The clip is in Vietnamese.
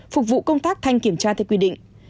phục vụ công tác thanh kiểm tra theo quy định